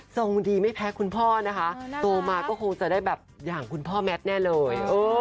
ทรงดีไม่แพ้คุณพ่อนะคะโตมาก็คงจะได้แบบอย่างคุณพ่อแมทแน่เลย